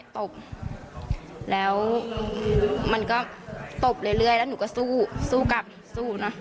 ตบแล้วมันก็ตบเรื่อยแล้วหนูก็สู้สู้กลับสู้เนอะ